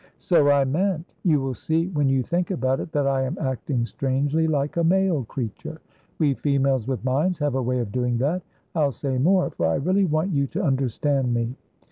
"So I meant. You will see, when you think about it, that I am acting strangely like a male creature. We females with minds have a way of doing that. I'll say more, for I really want you to understand me.